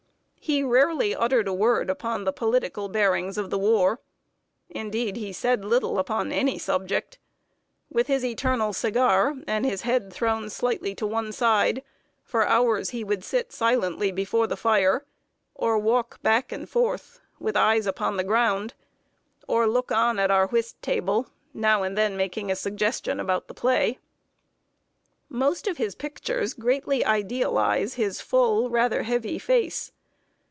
He rarely uttered a word upon the political bearings of the war; indeed, he said little upon any subject. With his eternal cigar, and his head thrown slightly to one side, for hours he would sit silently before the fire, or walk back and forth, with eyes upon the ground, or look on at our whist table, now and then making a suggestion about the play. Most of his pictures greatly idealize his full, rather heavy face.